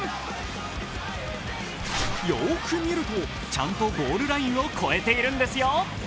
よく見ると、ちゃんとゴールラインを越えているんですよ。